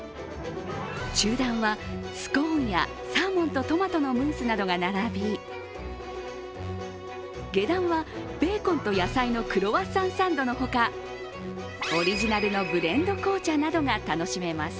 中段は、スコーンやサーモンとトマトのムースなどが並び下段は、ベーコンと野菜のクロワッサンサンドの他オリジナルのブレンド紅茶などが楽しめます。